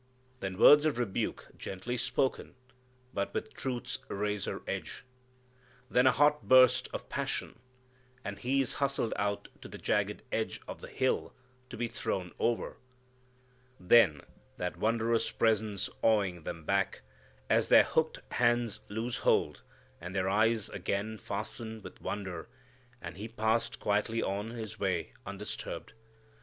Then words of rebuke gently spoken, but with truth's razor edge. Then a hot burst of passion, and He is hustled out to the jagged edge of the hill to be thrown over. Then that wondrous presence awing them back, as their hooked hands lose hold, and their eyes again fasten with wonder, and He passed quietly on His way undisturbed.